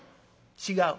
「違う」。